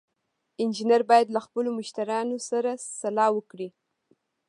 انجینر باید له خپلو مشتریانو سره سلا وکړي.